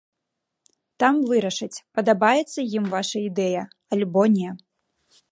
Там вырашаць, падабаецца ім ваша ідэя, альбо не.